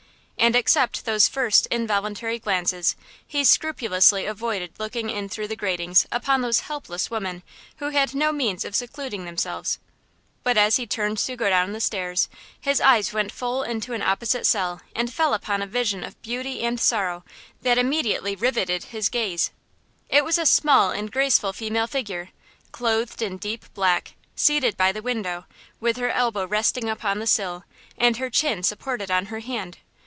And except those first involuntary glances he scrupulously avoided looking in through the gratings upon those helpless women who had no means of secluding themselves. But as he turned to go down the stairs his eyes went full into an opposite cell and fell upon a vision of beauty and sorrow that immediately riveted his gaze. It was a small and graceful female figure, clothed in deep black, seated by the window, with her elbow resting upon the sill and her chin supported on her hand.